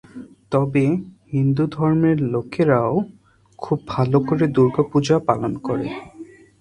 তবে হিন্দু ধর্মের লোকেরা ও খুব ভালো করে দুর্গা পূজা পালন করে।